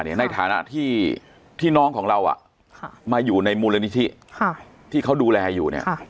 ในฐานะที่น้องของเรามาอยู่ในมูลนิธิที่เขาดูแลอยู่เนี่ย